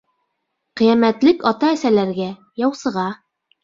Ҡиәмәтлек ата-әсәләргә, яусыға